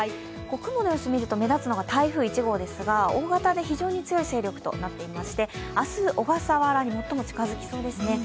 雲の様子を見ると、目立つのが台風１号ですが、大型で非常に強い勢力となっていまして明日、小笠原に最も近づきそうですね。